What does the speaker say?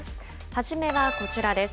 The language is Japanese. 初めはこちらです。